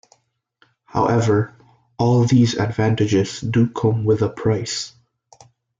However, all these advantages do come with a price.